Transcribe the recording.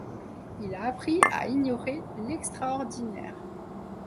Il a appris à ignorer l’extraordinaire.